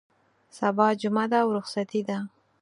سبا جمعه ده او رخصتي ده.